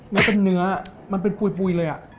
แล้วเป็นเนื้อมันเป็นปุ๋ยเลย